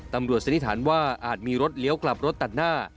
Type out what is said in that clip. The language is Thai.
สันนิษฐานว่าอาจมีรถเลี้ยวกลับรถตัดหน้า